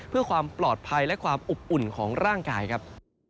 เพื่อความปลอดภัยและความอบอุ่นของร่างกายครับ